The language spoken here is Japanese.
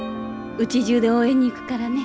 うちじゅうで応援に行くからね。